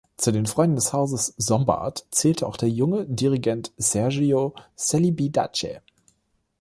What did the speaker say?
Zu den Freunden des Hauses Sombart zählte auch der junge Dirigent Sergiu Celibidache.